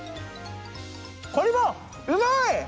これもうまい！